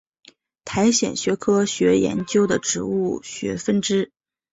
苔藓学科学研究的植物学分支。